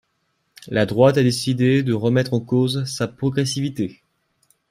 La droite a décidé de remettre en cause sa progressivité.